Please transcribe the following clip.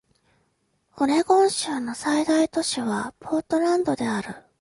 オレゴン州の最大都市はポートランドである